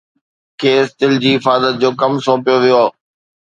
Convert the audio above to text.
کيس دل جي حفاظت جو ڪم سونپيو ويو